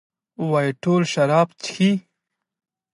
وايي ټول شراب چښي؟